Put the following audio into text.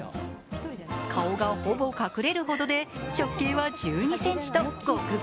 顔がほぼ隠れるほどで直径は１２ｃｍと極太。